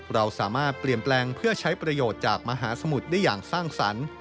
เราสามารถเปลี่ยนแปลงเพื่อใช้ประโยชน์จากมหาสมุทรได้อย่างสร้างสรรค์